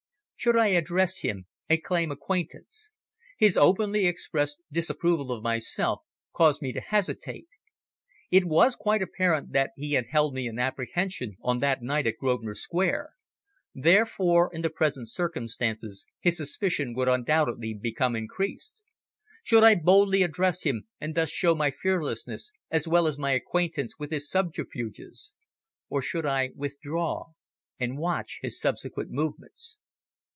Should I address him and claim acquaintance? His openly expressed disapproval of myself caused me to hesitate. It was quite apparent that he had held me in apprehension on that night at Grosvenor Square, therefore in the present circumstances his suspicion would undoubtedly become increased. Should I boldly address him and thus show my fearlessness, as well as my acquaintance with his subterfuges? or should I withdraw and watch his subsequent movements?